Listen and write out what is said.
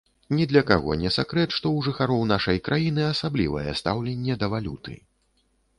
Ні для каго не сакрэт, што ў жыхароў нашай краіны асаблівае стаўленне да валюты.